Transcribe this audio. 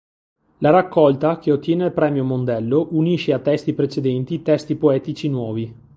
La raccolta, che ottiene il premio Mondello, unisce a testi precedenti testi poetici nuovi.